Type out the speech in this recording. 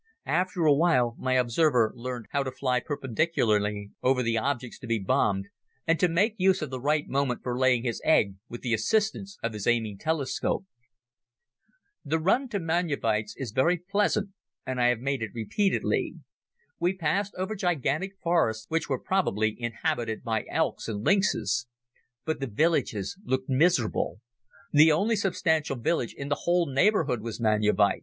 After a while my observer learned how to fly perpendicularly over the objects to be bombed and to make use of the right moment for laying his egg with the assistance of his aiming telescope. The run to Manjewicze is very pleasant and I have made it repeatedly. We passed over gigantic forests which were probably inhabited by elks and lynxes. But the villages looked miserable. The only substantial village in the whole neighborhood was Manjewicze.